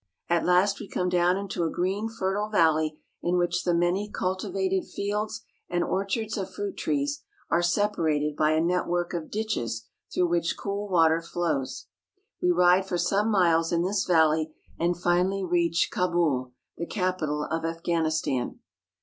At last we come down into a green fertile valley in which the many cultivated fields and orchards of fruit trees are separated by a network of ditches through which cool water flows. We ride for some miles in this valley and finally reach Kabul (ka'bool), the capital of Afghanistan.